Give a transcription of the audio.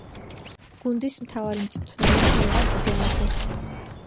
გუნდი მთავარი მწვრთნელია ლევან ობოლაძე.